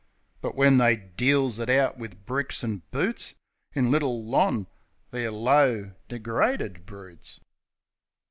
But when they deals it out wiv bricks an' boots In Little Lon., they're low, degraded broots.